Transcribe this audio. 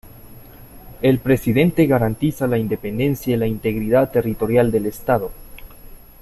El presidente garantiza la independencia y la integridad territorial del estado.